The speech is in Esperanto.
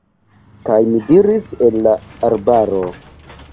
Kaj mi diris el la arbaro: